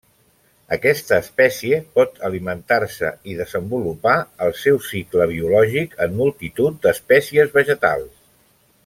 Aquesta espècie pot alimentar-se i desenvolupar el seu cicle biològic en multitud d'espècies vegetals.